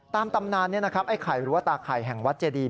ตามตำนานไอ้ไข่รัวตาไข่แห่งวัดเจดี